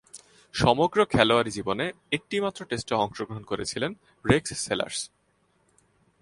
সমগ্র খেলোয়াড়ী জীবনে একটিমাত্র টেস্টে অংশগ্রহণ করেছিলেন রেক্স সেলার্স।